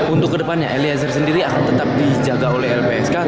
untuk kedepannya eliezer sendiri akan tetap dijaga oleh lpsk